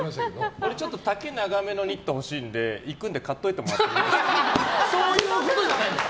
俺丈が長めのニット欲しいので行くので買っておいてもらっていいですか。